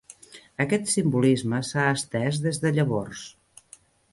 Aquest simbolisme s'ha estès des de llavors.